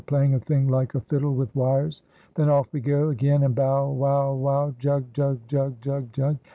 playing a thing like a fiddle with wires; then "off we go" again, and bow! wow! wow! jug! jug! jug! jug! jug!